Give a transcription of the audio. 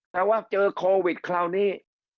แต่ว่าเจอโควิดคราวนี้